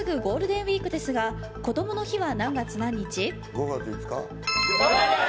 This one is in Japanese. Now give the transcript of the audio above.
５月５日。